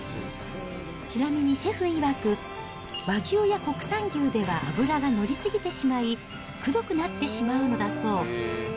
ちなみにシェフいわく、和牛や国産牛では脂が乗り過ぎてしまい、くどくなってしまうのだそう。